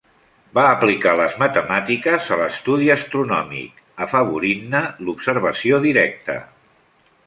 Va aplicar les matemàtiques a l'estudi astronòmic, afavorint-ne l'observació directa.